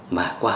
mà qua học